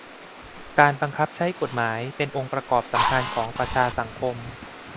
การบังคับใช้กฎหมายเป็นองค์ประกอบสำคัญของประชาสังคม